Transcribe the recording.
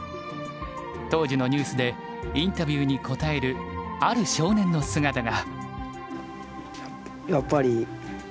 当時のニュースでインタビューに答えるある少年の姿が。